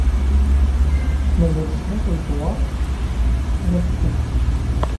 Mazal snat ledwaṛ akken ad d-qqleɣ.